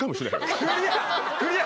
クリア！